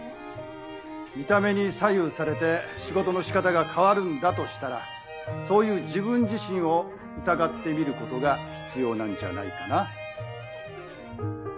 見た目に左右されて仕事の仕方が変わるんだとしたらそういう自分自身を疑ってみることが必要なんじゃないかな？